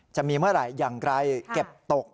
จะมีเมื่อไหร่อย่างไรเก็บตก